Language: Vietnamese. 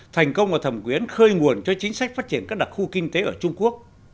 thành công ở thẩm quyến khơi nguồn cho chính sách phát triển các đặc khu kinh tế ở trung quốc